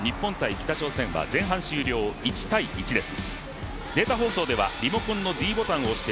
北朝鮮は前半終了、１−１です。